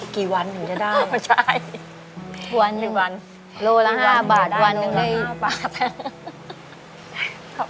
ใช่วันหนึ่งวันโลละห้าบาทวันนึงห้าบาทครับ